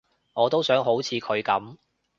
我都想好似佢噉